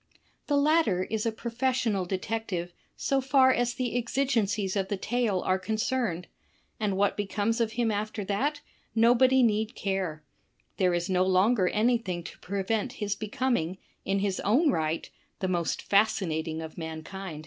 The latter is a profes sional detective so far as the exigencies of the tale are concerned, and what becomes of him after that, nobody need care, — there is no longer anything to prevent his becoming, in his own right, the most fascinating of mankind.